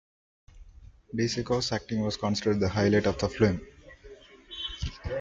De Sica's acting was considered the highlight of the film.